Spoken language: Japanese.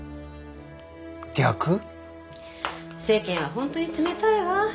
世間は本当に冷たいわ。